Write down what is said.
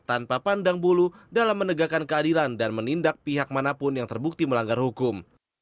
tanpa pandang bulu dalam menegakkan keadilan dan menindak pihak manapun yang terbukti melanggar hukum